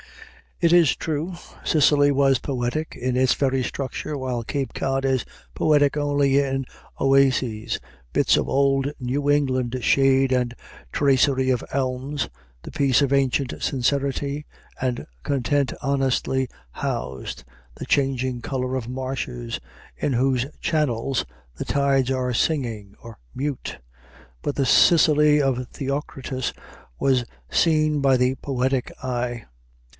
It is true, Sicily was poetic in its very structure while Cape Cod is poetic only in oases, bits of old New England shade and tracery of elms, the peace of ancient sincerity and content honestly housed, the changing color of marshes in whose channels the tides are singing or mute; but the Sicily of Theocritus was seen by the poetic eye.